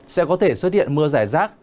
sẽ có thể xuất hiện mưa giải rác